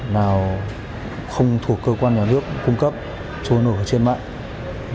nào không thuộc cơ quan nhà nước cung cấp trôi nổ ở trên mạng